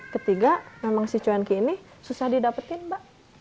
ketiga memang si cuan ki ini susah didapetin mbak